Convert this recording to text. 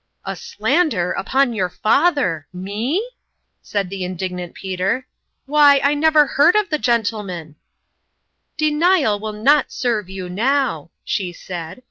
" A slander upon your father !... Me f " 158 0tttmalin'0 QLimc said the indignant Peter. " Why, I never heard of the gentleman !"" Denial will not serve you now," she said.